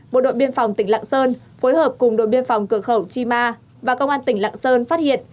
bộ đội biên phòng tỉnh lạng sơn phối hợp cùng đội biên phòng cửa khẩu chi ma và công an tỉnh lạng sơn phát hiện